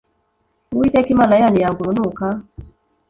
Uwiteka imana yanyu yanga urunuka